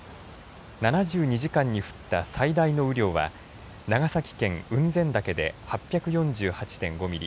７２時間に降った最大の雨量は長崎県雲仙岳で８４８．５ミリ